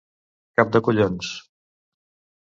Cap de collons.